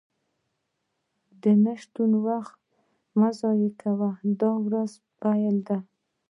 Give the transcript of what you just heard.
د ناشتې وخت مه ضایع کوه، دا د ورځې پیل دی.